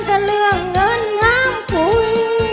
ก็เรื่องเงินงามคุย